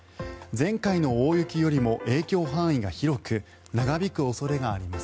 前回の大雪よりも影響範囲が広く長引く恐れがあります。